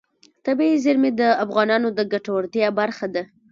طبیعي زیرمې د افغانانو د ګټورتیا برخه ده.